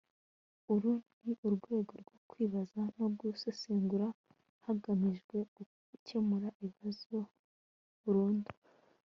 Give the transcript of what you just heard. uru ni urwego rwo kwibaza no gusesengura hagamijwe gukemura ibibazo burundu